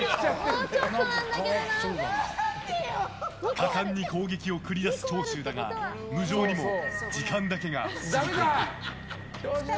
果敢に攻撃を繰り出す長州だが無情にも時間だけが過ぎていく。